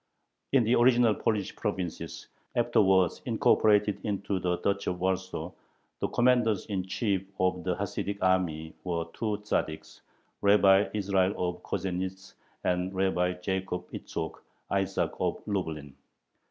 In the original Polish provinces, afterwards incorporated into the Duchy of Warsaw, the commanders in chief of the Hasidic army were two Tzaddiks, Rabbi Israel of Kozhenitz and Rabbi Jacob Itzhok (Isaac) of Lublin.